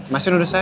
masih nuduh saya